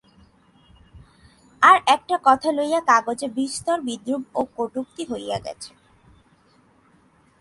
আর-একটা কথা লইয়া কাগজে বিস্তর বিদ্রূপ ও কটূক্তি হইয়া গেছে।